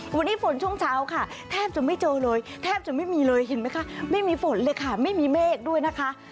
วันนี้ฝนช่วงเช้าค่ะแทบจะไม่เจอเลยแทบจะไม่มีเลยเห็นไหมคะไม่มีฝนเลยค่ะไม่มีเมฆด้วยนะคะ